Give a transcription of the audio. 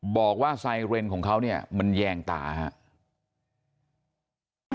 บอกว่าไซเรนของเขาเนี่ยมันแยงตาครับ